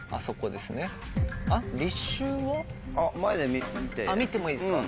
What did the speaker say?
見てもいいですか？